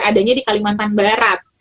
adanya di kalimantan barat